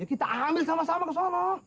ya kita ambil sama sama ke solo